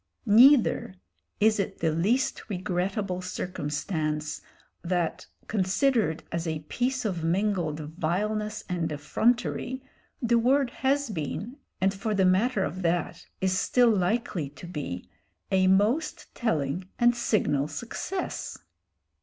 Neither is it the least regrettable circumstance that, considered as a piece of mingled vileness and effrontery, the word has been, and for the matter of that is still likely to be, a most telling and signal success.